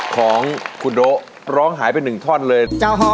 ของคุณโดะร้องหายไป๑ท่อนเลย